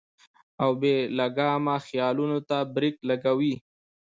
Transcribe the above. او بې لګامه خيالونو ته برېک لګوي -